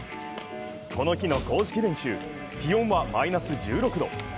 この日の公式練習、気温はマイナス１６度。